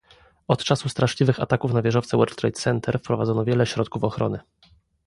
Od czasu straszliwych ataków na wieżowce World Trade Center wprowadzono wiele środków ochrony